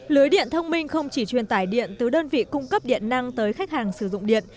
lưới điện thông minh không chỉ truyền tải điện từ đơn vị cung cấp điện năng tới khách hàng sử dụng điện